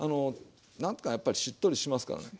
何かやっぱりしっとりしますからね。